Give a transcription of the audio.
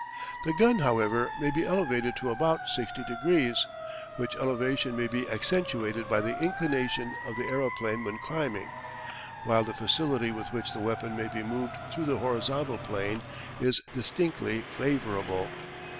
The gun, however, may be elevated to about 60 degrees, which elevation may be accentuated by the inclination of the aeroplane when climbing, while the facility with which the weapon may be moved through the horizontal plane is distinctly favourable.